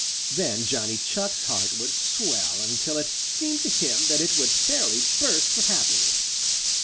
Then Johnny Chuck's heart would swell until it seemed to him that it would fairly burst with happiness.